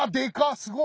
すごい。